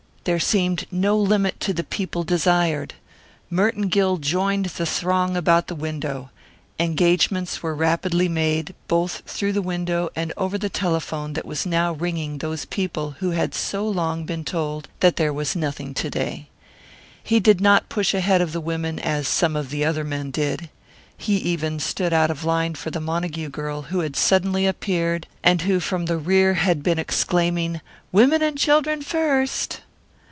There seemed no limit to the people desired. Merton Gill joined the throng about the window. Engagements were rapidly made, both through the window and over the telephone that was now ringing those people who had so long been told that there was nothing to day. He did not push ahead of the women as some of the other men did. He even stood out of the line for the Montague girl who had suddenly appeared and who from the rear had been exclaiming: "Women and children first!"